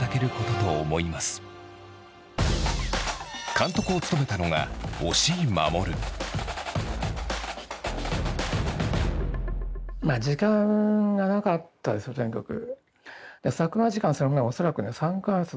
監督を務めたのが時間がなかったですよとにかく。